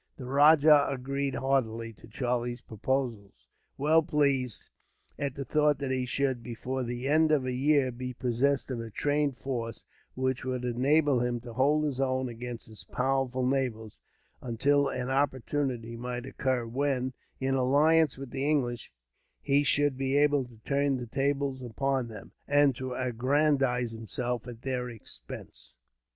The rajah agreed, heartily, to Charlie's proposals; well pleased at the thought that he should, before the end of a year, be possessed of a trained force, which would enable him to hold his own against his powerful neighbours, until an opportunity might occur when, in alliance with the English, he should be able to turn the tables upon them, and to aggrandize himself at their expense.